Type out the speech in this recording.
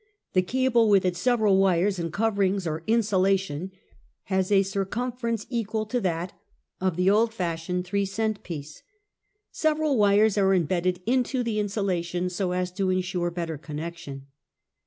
The cable, with its several wires and coverings or insulation, has a circumference equal to that of the old fashioned three cent piece. Several wires are imbedded into the insulation, so as to insure better connection.